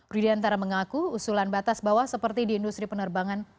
rudiantara mengaku usulan batas bawah seperti di industri penerbangan